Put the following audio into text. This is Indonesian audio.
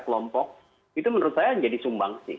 lompok itu menurut saya jadi sumbangsi